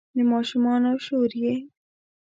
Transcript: د ماشومانو شور یې